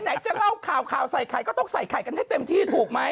ไหนจะเล่าข่าวข่าวใส่ไข่ก็ต้องใส่ไข่กันให้เต็มที่ถูกไหม